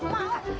saya enggak mau